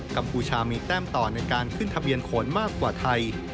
กพูชามีแต้มต่อในการขึ้นทะเบียนโขนมากกว่าไทย